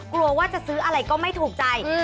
กลัวว่าจะซื้ออะไรก็ไม่ถูกใจ